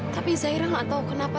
tapi zaira nggak tahu kenapa